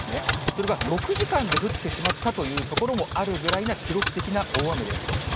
それが６時間で降ってしまったという所もあるぐらいな記録的な大雨です。